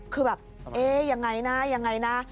คือแบบเอ๊ะยังไงนะยังไงนะ